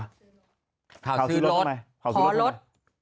ข่าวซื้อรถขอรถ